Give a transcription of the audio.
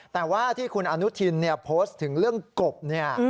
แต่ว่าที่คุณอนุทินโพสต์ถึงเรื่องกบเนี่ย